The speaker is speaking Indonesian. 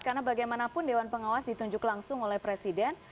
karena bagaimanapun dewan pengawas ditunjuk langsung oleh presiden